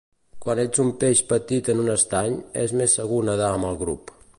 Quan ets un peix petit en un estany, és més segur nedar amb el grup.